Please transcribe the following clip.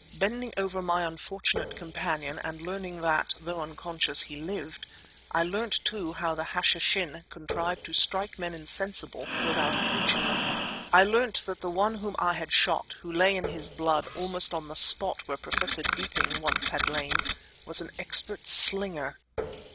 Bending over my unfortunate companion and learning that, though unconscious, he lived, I learnt, too, how the Hashishin contrived to strike men insensible without approaching them; I learnt that the one whom I had shot, who lay in his blood almost on the spot where Professor Deeping once had lain, was an expert slinger.